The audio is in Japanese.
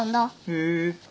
へえ。